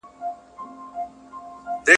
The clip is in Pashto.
د رنګینۍ ډکه او زړه وړونکې شتمني په کره